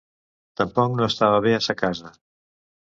Tampoc no estava bé a sa casa.